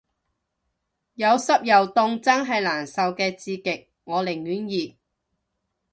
有濕又凍真係難受嘅極致，我寧願熱